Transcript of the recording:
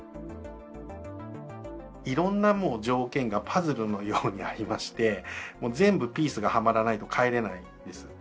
いろんな条件がパズルのようにありまして全部ピースがはまらないと帰れないんです。